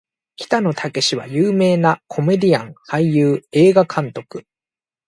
北野武は有名なコメディアン・俳優・映画監督